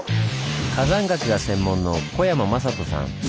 火山学が専門の小山真人さん。